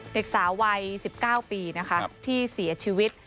เด็กสาวัยสิบเก้าปีนะคะที่เสียชีวิต